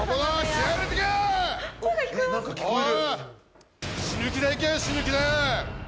何か聞こえる。